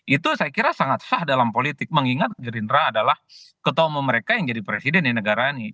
itu saya kira sangat sah dalam politik mengingat gerindra adalah ketua umum mereka yang jadi presiden di negara ini